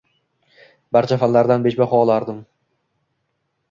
Barcha fanlardan besh baho olardim